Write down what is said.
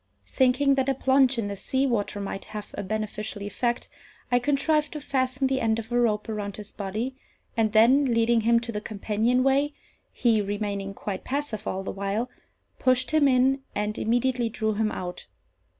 Thinking that a plunge in the sea water might have a beneficial effect, I contrived to fasten the end of a rope around his body, and then, leading him to the companion way (he remaining quite passive all the while), pushed him in, and immediately drew him out.